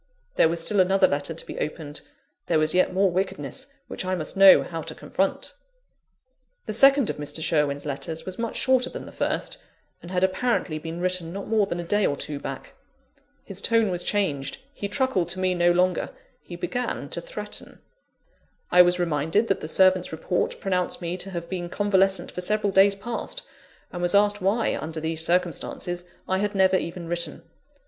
There was still another letter to be opened: there was yet more wickedness which I must know how to confront. The second of Mr. Sherwin's letters was much shorter than the first, and had apparently been written not more than a day or two back. His tone was changed; he truckled to me no longer he began to threaten. I was reminded that the servant's report pronounced me to have been convalescent for several days past: and was asked why, under these circumstances, I had never even written.